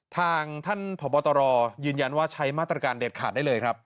ทางท่านผอบตรยืนยันว่าใช้มาตรการเด็ดขาดได้เลยครับ